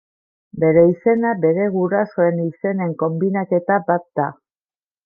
Bere izena, bere gurasoen izenen konbinaketa bat da.